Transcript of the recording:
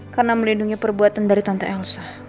karena melindungi perbuatan dari tante elsa